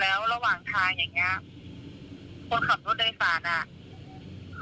แล้วก็ขึ้นรถเม็ดสายสี่ศูนย์เดี๋ยวไปลงที่นำสาลีค่ะ